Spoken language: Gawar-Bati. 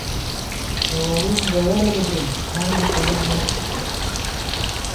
گوَرُوم گوَرَنی بُم، تھانگی قلنگ یاد تھی تول